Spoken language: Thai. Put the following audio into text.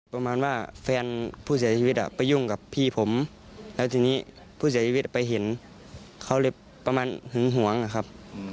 ประมาณว่าแฟนผู้เสียชีวิตไปยุ่งกับพี่ผมแล้วทีนี้ผู้เสียชีวิตไปเห็นเขาเลยประมาณหึงหวงนะครับ